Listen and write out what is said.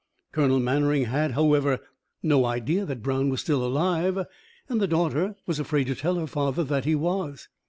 Colonel Mannering had, however, no idea that Brown was still alive, and the daughter was afraid to tell her father that he was.